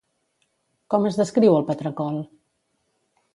Com es descriu el patracol?